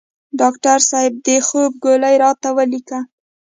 ډاکټر صیب د خوب ګولۍ راته ولیکه